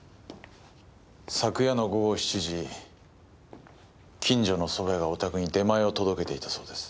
昨夜の午後７時近所のそば屋がお宅に出前を届けていたそうです。